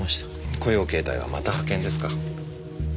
雇用形態はまた派遣ですか？